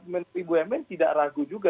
menteri bumn tidak ragu juga